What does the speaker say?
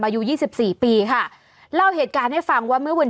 อายุยี่สิบสี่ปีค่ะเล่าเหตุการณ์ให้ฟังว่าเมื่อวัน